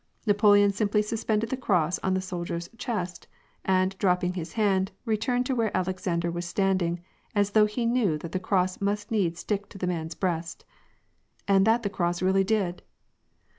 Napoleon simply suspended the cross on the soldier's chest, and, drop ping his hand, returned to where Alexander was standing, as though he knew that the cross must needs stick to the man's breast. And that the cross really did